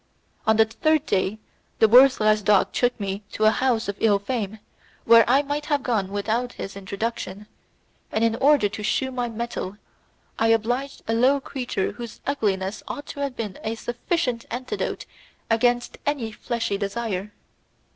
On the third day the worthless dog took me to a house of ill fame, where I might have gone without his introduction, and, in order to shew my mettle, I obliged a low creature whose ugliness ought to have been a sufficient antidote against any fleshly desire.